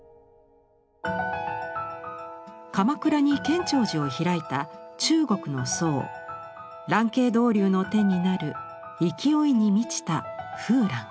鎌倉に建長寺を開いた中国の僧蘭渓道隆の手になる勢いに満ちた「風蘭」。